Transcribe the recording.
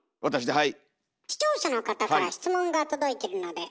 はい。